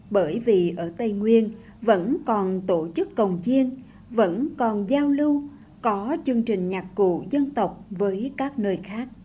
bởi vì ở tây nguyên vẫn còn tổ chức cộng chiên vẫn còn giao lưu có chương trình nhạc cụ dân tộc với các người